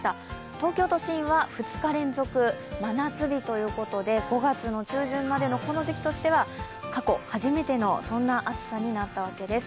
東京都心は２日連続真夏日ということで、５月中旬までのこの時期としては過去初めてと、そんな暑さになったわけです。